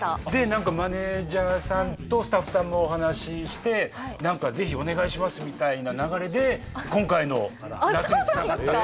何かマネージャーさんとスタッフさんもお話しして何かぜひお願いしますみたいな流れで今回の「夏」につながった。